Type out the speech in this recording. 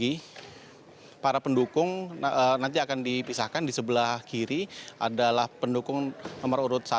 para pendukung nanti akan dipisahkan di sebelah kiri adalah pendukung nomor urut satu